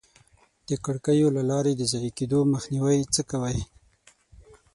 د کړکیو له لارې د ضایع کېدو مخنیوی څه کوئ؟